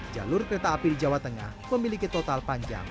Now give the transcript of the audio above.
jalur kereta api di jawa tengah memiliki total panjang